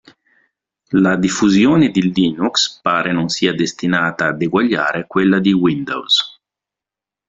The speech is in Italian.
La diffusione di Linux pare non sia destinata ad eguagliare quella di Windows.